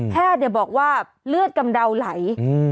บอกว่าเลือดกำเดาไหล